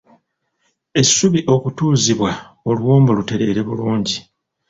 Essubi okutuuzibwa oluwombo lutereere bulungi.